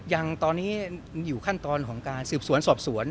ยังตอนนี้อยู่ขั้นตอนของการสืบสวนสอบสวน